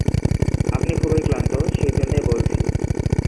আপনি খুব ক্লান্ত, সেই জন্যে বলছি।